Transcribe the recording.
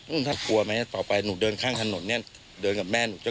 อืมถ้ากลัวไหมต่อไปหนูเดินข้างถนนเนี้ยเดินกับแม่หนูจะ